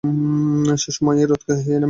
সেসময় এই হ্রদকে এই নামে ডাকা হতো।